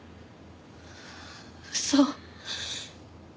嘘。